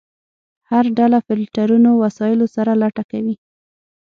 هر ډله فلټرونو وسایلو سره لټه کوي.